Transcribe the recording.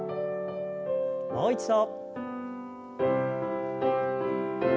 もう一度。